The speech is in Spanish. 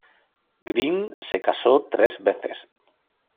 Green se casó tres veces.